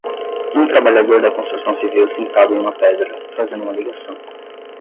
um trabalhador da construção civil sentado em uma pedra, fazendo uma ligação.